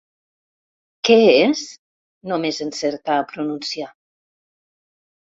Què és? –només encerta a pronunciar.